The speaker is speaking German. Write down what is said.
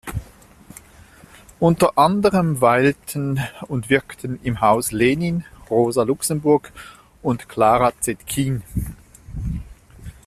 Unter anderem weilten und wirkten im Haus Lenin, Rosa Luxemburg und Clara Zetkin.